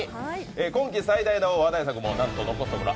今季最大の話題作も残すところ